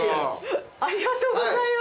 ありがとうございます。